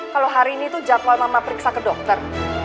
kalau hari ini tuh jadwal mama periksa ke dokter